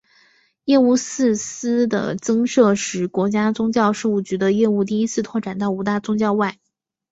业务四司的增设使国家宗教事务局的业务第一次拓展到五大宗教以外。